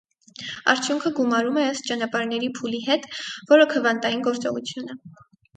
Արդյունքը գումարում է ըստ ճանապարհների փուլի հետ, որը քվանտային գործողություն է։